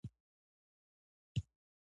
د بشري تنوع او فکري رنګارنګۍ طبیعت دی.